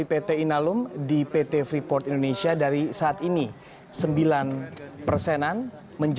di belakang minta supaya di depan